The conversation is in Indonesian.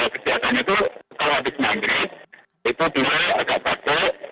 kejadian itu kalau habis mandi itu dia agak agak